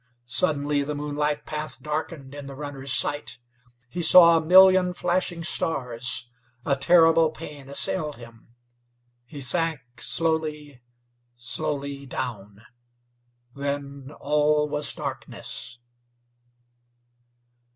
Suddenly the moonlight path darkened in the runner's sight; he saw a million flashing stars; a terrible pain assailed him; he sank slowly, slowly down; then all was darkness.